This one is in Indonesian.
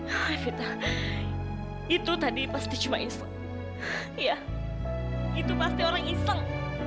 hai vita itu tadi pasti cuma iseng ya itu pasti orang iseng